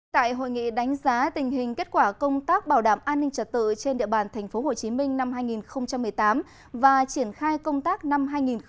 tại hội nghị đánh giá tình hình kết quả công tác bảo đảm an ninh trật tự trên địa bàn tp hcm năm hai nghìn một mươi tám và triển khai công tác năm hai nghìn một mươi chín